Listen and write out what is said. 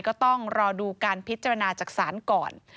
ก็ต้องรอดูการพิจารณาจากศาลก่อน